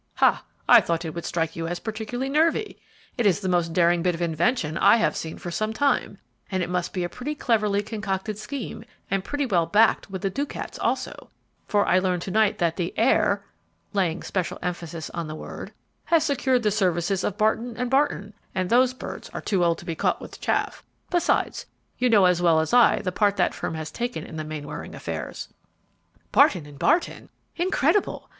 "Ha! I thought it would strike you as particularly nervy. It is the most daring bit of invention I have seen for some time; and it must be a pretty cleverly concocted scheme and pretty well backed with the ducats also, for I learned to night that the 'heir,'" laying special emphasis on the word, "has secured the services of Barton & Barton, and those birds are too old to be caught with chaff; besides, you know as well as I the part that firm has taken in the Mainwaring affairs." "Barton & Barton? Incredible!